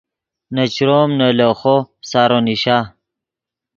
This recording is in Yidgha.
نے چروم نے لیخو سارو نیشا